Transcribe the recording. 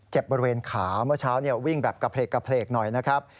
บริเวณขาเมื่อเช้าวิ่งแบบกระเพลกหน่อยนะครับ